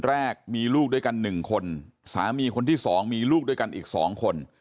แล้วก็ยัดลงถังสีฟ้าขนาด๒๐๐ลิตร